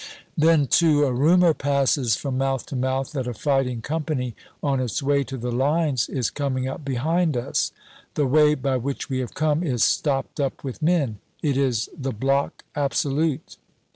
Then, too, a rumor passes from mouth to mouth that a fighting company on its way to the lines is coming up behind us. The way by which we have come is stopped up with men. It is the block absolute.